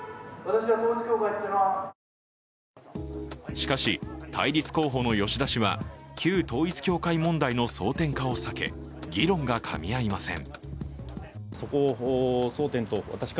しかし、対立候補の吉田氏は旧統一教会問題の争点化を避け議論がかみ合いません。